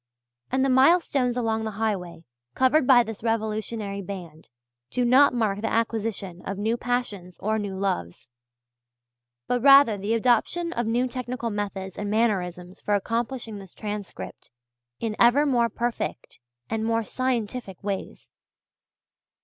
And the milestones along the highway covered by this revolutionary band, do not mark the acquisition of new passions or new loves, but rather the adoption of new technical methods and mannerisms for accomplishing this transcript in ever more perfect and more scientific ways.